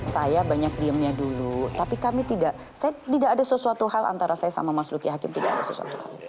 saya banyak diemnya dulu tapi kami tidak saya tidak ada sesuatu hal antara saya sama mas luki hakim tidak ada sesuatu hal